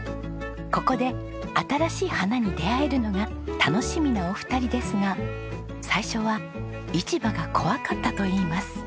ここで新しい花に出会えるのが楽しみなお二人ですが最初は市場が怖かったといいます。